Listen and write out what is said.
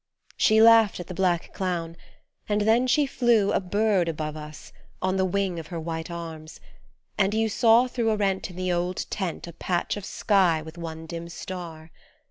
She laughed at the black clown and then she flew A bird above us, on the wing Of her white arms ; and you saw through A rent in the old tent, a patch of sky With one dim star.